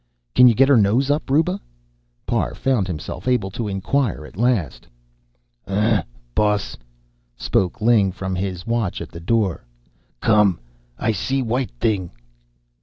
"Can you get her nose up, Ruba?" Parr found himself able to inquire at last. "Huh, boss," spoke Ling from his watch at the door. "Come. I see white thing."